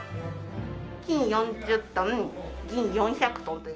金４０トン銀４００トンというふうに。